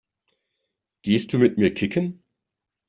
Gehst du mit mir kicken?